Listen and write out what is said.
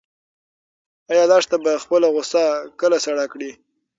ایا لښته به خپله غوسه کله سړه کړي؟